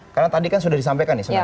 karena tadi kan sudah disampaikan